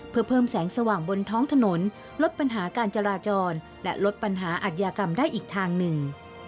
เพื่อเพิ่มแสงสว่างบนท้องถนนลดปัญหาการจราจรและลดปัญหาอัธยากรรมได้อีกทางหนึ่ง